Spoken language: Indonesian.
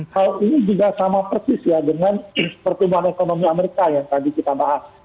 hal ini juga sama persis ya dengan pertumbuhan ekonomi amerika yang tadi kita bahas